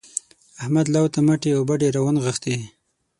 احمد لو ته مټې او بډې راونغښتې.